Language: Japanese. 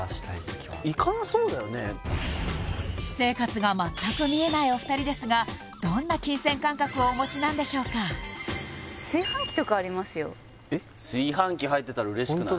私生活が全く見えないお二人ですがどんな金銭感覚をお持ちなんでしょうか炊飯器入ってたら嬉しくない？